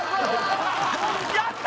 やった！